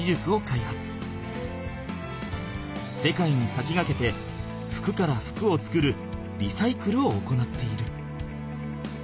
世界にさきがけて服から服を作るリサイクルを行っている。